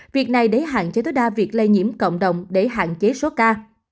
việc này để hạn chế tối đa việc lây nhiễm cộng đồng để hạn chế số ca